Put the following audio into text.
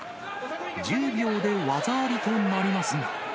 １０秒で技ありとなりますが。